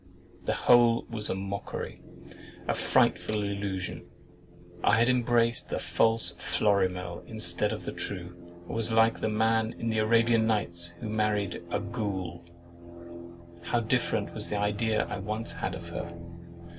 The whole was a mockery, a frightful illusion. I had embraced the false Florimel instead of the true; or was like the man in the Arabian Nights who had married a GOUL. How different was the idea I once had of her?